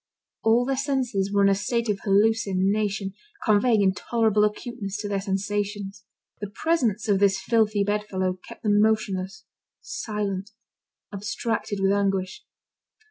All their senses were in a state of hallucination, conveying intolerable acuteness to their sensations. The presence of this filthy bedfellow kept them motionless, silent, abstracted with anguish.